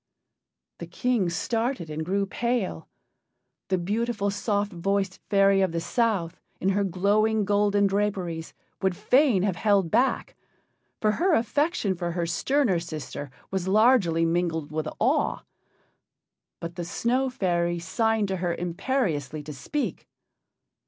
The King started and grew pale. The beautiful, soft voiced fairy of the South, in her glowing golden draperies, would fain have held back, for her affection for her sterner sister was largely mingled with awe. But the Snow fairy signed to her imperiously to speak.